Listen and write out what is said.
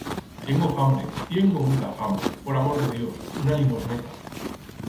Tiengo fambre, tiengo muita fambre, por amor de Dios, una limosneta.